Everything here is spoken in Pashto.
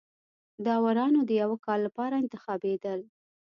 داورانو د یوه کال لپاره انتخابېدل.